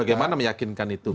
bagaimana meyakinkan itu